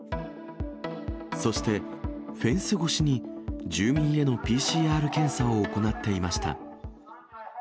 そして、フェンス越しに住民へのＰＣＲ検査を行っていました。